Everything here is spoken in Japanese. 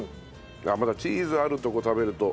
あっまたチーズあるとこ食べると。